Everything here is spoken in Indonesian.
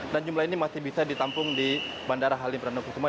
dan jumlah ini masih bisa ditampung di bandara halim perdana kusuma